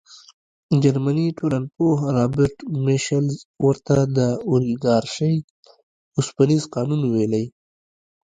جرمني ټولنپوه رابرټ میشلز ورته د اولیګارشۍ اوسپنیز قانون ویلي.